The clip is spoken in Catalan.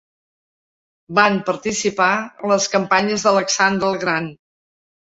Van participar en les campanyes d'Alexandre el Gran.